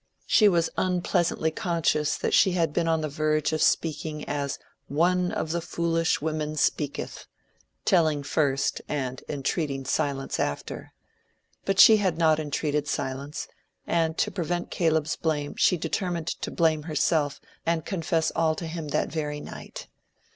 She was unpleasantly conscious that she had been on the verge of speaking as "one of the foolish women speaketh"—telling first and entreating silence after. But she had not entreated silence, and to prevent Caleb's blame she determined to blame herself and confess all to him that very night.